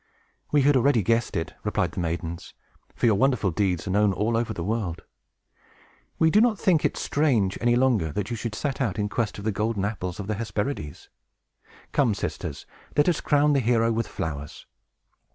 "We had already guessed it," replied the maidens; "for your wonderful deeds are known all over the world. We do not think it strange, any longer, that you should set out in quest of the golden apples of the Hesperides. Come, sisters, let us crown the hero with flowers!"